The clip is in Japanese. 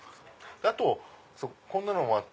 あとこんなのもあって。